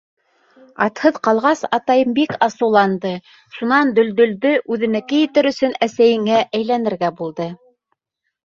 Атһыҙ ҡалғас, атайым бик асыуланды, шунан Дөлдөлдө үҙенеке итер өсөн әсәйеңә әйләнергә булды.